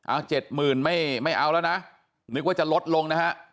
เอาเจ็ดหมื่นไม่เอาแล้วนะนึกว่าจะลดลงนะฮะ